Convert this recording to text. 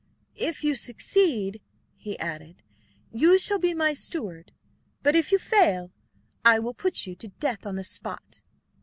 "If you succeed," he added, "you shall be my steward, but if you fail, I will put you to death on the spot."